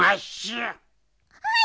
はい！